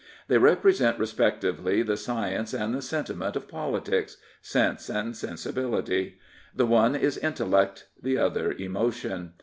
They represent respectively the science and the sentiment of politics — sense and sensibility. The one is intellect ; the other emotion.